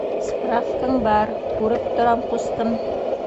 Спрафкаң бар, күреп торам, ҡустым.